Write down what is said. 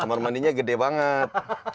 kamar mandinya gede banget